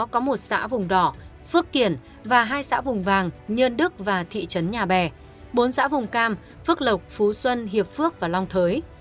có một xã vùng đỏ phước kiển và hai xã vùng vàng nhơn đức và thị trấn nhà bè bốn xã vùng cam phước lộc phú xuân hiệp phước và long thới